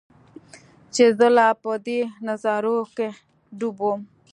چې زۀ لا پۀ دې نظارو کښې ډوب ووم